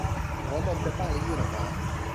หัวนมจะตั้งและยื่นออกมา